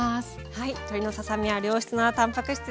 はい鶏のささ身は良質なたんぱく質ですからね。